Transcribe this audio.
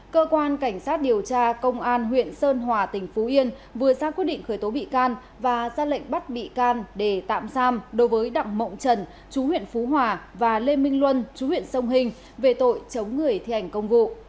cơ quan cảnh sát điều tra công an huyện sơn hòa tỉnh phú yên vừa ra quyết định khởi tố bị can và ra lệnh bắt bị can để tạm giam đối với đặng mộng trần chú huyện phú hòa và lê minh luân chú huyện sông hình về tội chống người thi hành công vụ